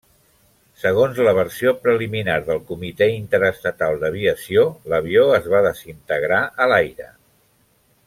Segons la versió preliminar del Comitè Interestatal d'Aviació l'avió es va desintegrar a l'aire.